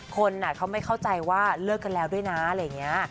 คนเขาไม่เข้าใจว่าเลิกกันแล้วด้วยนะอะไรอย่างนี้